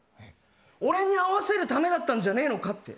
俺に会わせるためだったんじゃねえのかって。